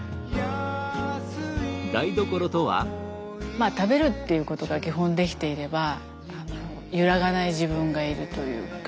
まあ食べるっていうことが基本できていれば揺らがない自分がいるというか。